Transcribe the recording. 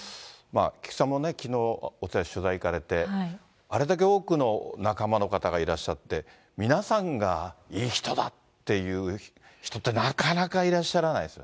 菊池さんもね、きのう、お通夜取材行かれて、あれだけ多くの仲間の方がいらっしゃって、皆さんがいい人だっていう人ってなかなかいらっしゃらないですよ